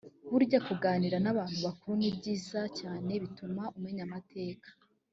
burya kuganira n’abantu bakuru ni byiza cyane bituma umenya amateka